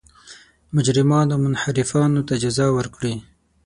مجرمانو او منحرفانو ته جزا ورکړي.